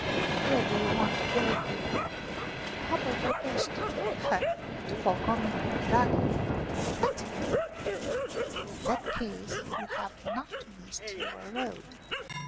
" Where do you want to go to ?"" To Upper Popeshti." " Eh ! To Pocovnicu lordache." "That's it." " In that case you have not missed your road.